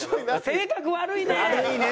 性格悪いね！